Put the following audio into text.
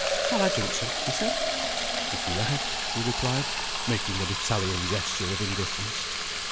"Shall I drink some?" she said. "If you like," he replied, making an Italian gesture of indifference.